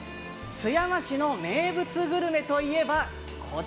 津山市の名物グルメといえば。